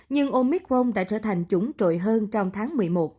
nhưng omicron đã trở thành chủng trội hơn trong tháng một mươi một